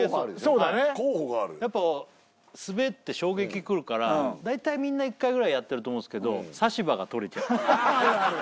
そうだねやっぱ滑って衝撃来るから大体みんな１回ぐらいやってると思うんですけどある